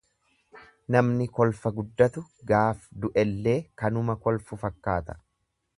Namni kolfa guddatu gaaf du'ellee kanuma kolfu fakkaata.